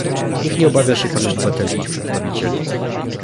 Niech nie obawia się pan obywateli i ich przedstawicieli